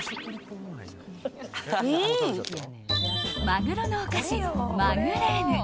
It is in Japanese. マグロのお菓子、マグレーヌ。